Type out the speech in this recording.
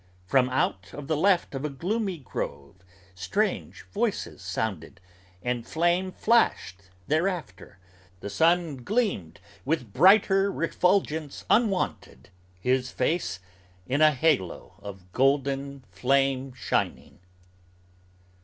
From out of the left of a gloomy grove strange voices sounded And flame flashed thereafter! The sun gleamed with brighter refulgence Unwonted, his face in a halo of golden flame shining."